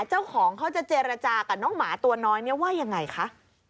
เจ้าของเขาจะเจรจากับน้องหมาตัวน้อยเนี่ยว่ายังไงคะ